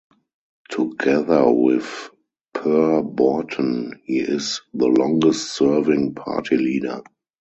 Together with Per Borten, he is the longest-serving party leader.